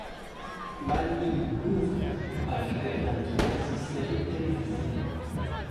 Mani Nouri a joué dans diverses séries télévisées.